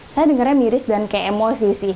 saya dengarnya miris dan kayak emosi sih